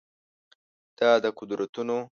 دا د قدرتونو